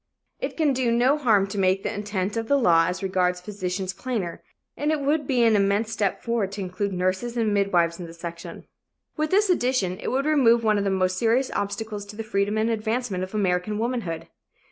It can do no harm to make the intent of the law as regards physicians plainer, and it would be an immense step forward to include nurses and midwives in the section. With this addition it would remove one of the most serious obstacles to the freedom and advancement of American womanhood.